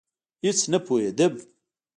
هېڅ نه پوهېدم.